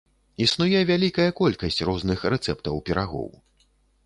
Існуе вялікая колькасць розных рэцэптаў пірагоў.